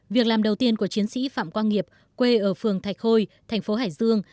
việc làm đầu tiên của chiến sĩ phạm quang nghiệp quê ở phường thạch khôi thành phố hải dương